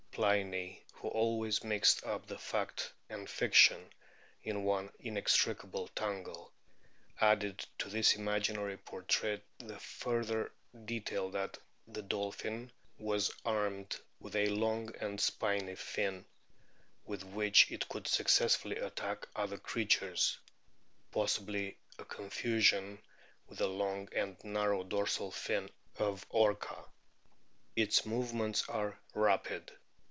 Pliny, who always mixed up fact and fiction in one inextricable tangle, added to this imaginary portrait the further detail that the dolphin was armed with a long and spiny fin, with which it could successfully attack other creatures possibly a confusion with the long and narrow dorsal fin of Orca. Its movements are rapid.